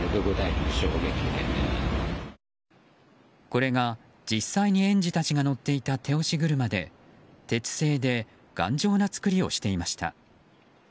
これが、実際に園児たちが乗っていた手押し車で鉄製で頑丈な作りをしていました。